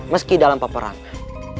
meski dalam peperangan